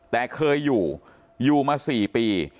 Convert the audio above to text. แต่เคยอยู่อยู่มา๔ปี